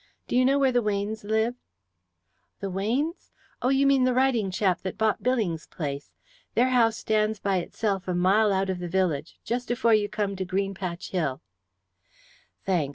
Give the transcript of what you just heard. Do you know where the Weynes live?" "The Weynes? Oh, you mean the writing chap that bought Billing's place. Their house stands by itself a mile out of the village, just afore you come to Green Patch Hill." "Thanks.